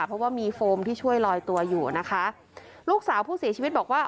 เพราะว่ามีโฟมที่ช่วยลอยตัวอยู่นะคะลูกสาวผู้เสียชีวิตบอกว่า